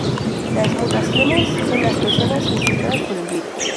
Las mutaciones, son las personas infectadas por el virus.